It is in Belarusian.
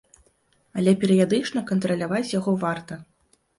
Але перыядычна кантраляваць яго варта.